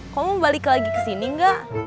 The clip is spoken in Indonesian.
kamu balik lagi kesini gak